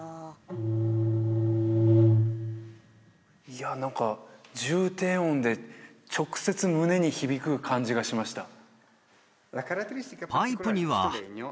いや何か重低音で直接胸に響く感じがしました